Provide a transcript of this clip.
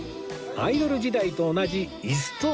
アイドル時代と同じ椅子とポーズで